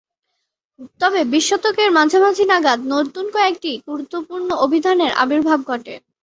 তবে বিশ শতকের মাঝামাঝি নাগাদ নতুন কয়েকটি গুরুত্বপূর্ণ অভিধানের আবির্ভাব ঘটে।